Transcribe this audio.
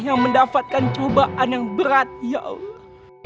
yang mendapatkan cobaan yang berat ya allah